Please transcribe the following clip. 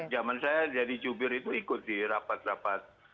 zaman saya jadi jubir itu ikut di rapat rapat